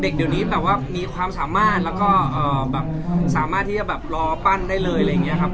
เด็กเดี๋ยวนี้มีความสามารถและสามารถที่จะรอปั้นได้เลย